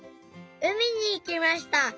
海にいきました。